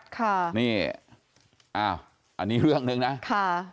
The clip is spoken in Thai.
ข้านี่อ่าวอันนี้เรื่องนึงนะข้า